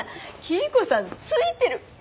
桐子さんついてる！